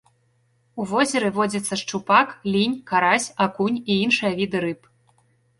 У возеры водзяцца шчупак, лінь, карась, акунь і іншыя віды рыб.